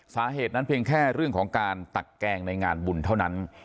สาเหตุนั้นเพียงแค่เรื่องของการตักแกงในงานบุญเท่านั้น